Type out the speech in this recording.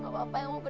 terima kasih ibu